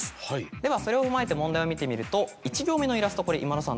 ではそれを踏まえて問題を見てみると１行目のイラストこれ今田さん